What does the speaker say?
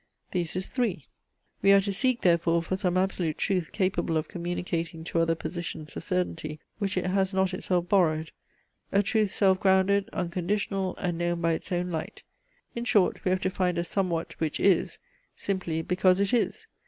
THESIS III We are to seek therefore for some absolute truth capable of communicating to other positions a certainty, which it has not itself borrowed; a truth self grounded, unconditional and known by its own light. In short, we have to find a somewhat which is, simply because it is.